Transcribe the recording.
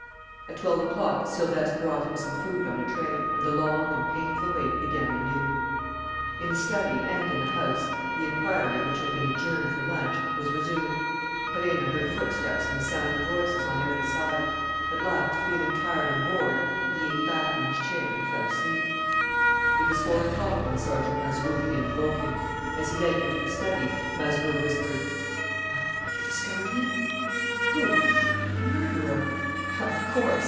At twelve o'clock Silvestre brought him some food on a tray. And the long and painful wait began anew. In the study and in the house, the inquiry, which had been adjourned for lunch, was resumed. Perenna heard footsteps and the sound of voices on every side. At last, feeling tired and bored, he leaned back in his chair and fell asleep. It was four o'clock when Sergeant Mazeroux came and woke him. As he led him to the study, Mazeroux whispered: "Well, have you discovered him?" "Whom?" "The murderer." "Of course!"